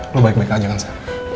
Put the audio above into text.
lo baik baik aja kan saya